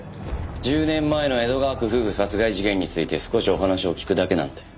１０年前の江戸川区夫婦殺害事件について少しお話を聞くだけなんで。